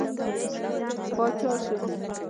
پاچا شي.